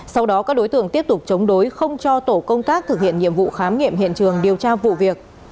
sau đó các đối tượng tiếp tục chống đối không cho tổ công tác thực hiện nhiệm vụ khám nghiệm hiện trường điều tra vụ việc